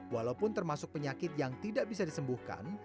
walaupun termasuk penyakit yang tidak bisa disembuhkan